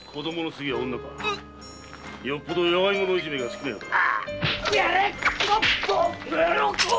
よっぽど弱い者いじめが好きなようだな。